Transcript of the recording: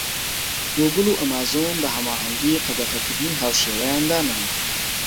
گۆگڵ و ئەمازۆن بە هەماهەنگی قەدەغەکردنی هاوشێوەیان داناوە.